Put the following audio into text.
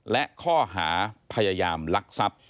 และข้อหาพยายามลักทรัพย์